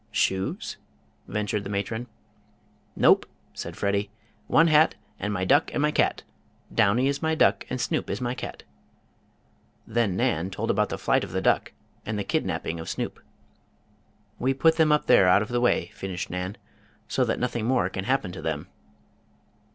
"Shoes?" ventured the matron. "Nope," said Freddie. "One hat, and my duck and my cat. Downy is my duck and Snoop is my cat." Then Nan told about the flight of the duck and the "kidnapping" of Snoop. "We put them up there out of the way," finished Nan, "so that nothing more can happen to them."